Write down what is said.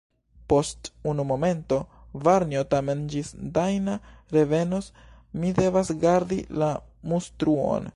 Post unu momento, varnjo; tamen ĝis Dajna revenos, mi devas gardi la mustruon.